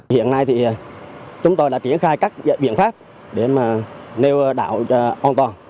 hôm nay thì chúng tôi đã triển khai các biện pháp để mà nêu đạo an toàn